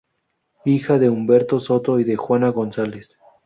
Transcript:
Hija de Humberto Soto y de Juana González.